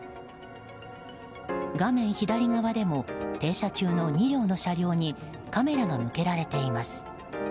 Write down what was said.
画面左側でも停車中の２両の車両にカメラが向けられています。